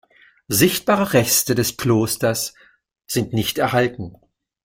Sichtbare Reste des Klosters sind nicht erhalten.